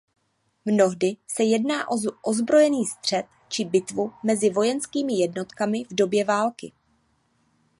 Mnohdy se jedná o ozbrojený střet či bitvu mezi vojenskými jednotkami v době války.